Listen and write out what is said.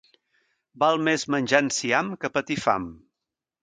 Val més menjar enciam que patir fam.